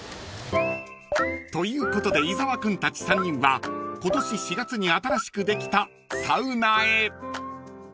［ということで伊沢君たち３人は今年４月に新しくできたサウナへ］